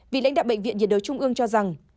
vì lãnh đạo bệnh viện nhiệt đối trung ương cho rằng